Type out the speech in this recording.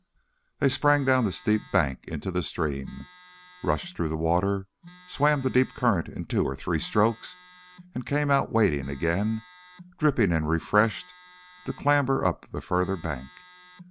They sprang down the steep bank into the stream, rushed through the water, swam the deep current in two or three strokes, and came out wading again, dripping and refreshed, to clamber up the farther bank.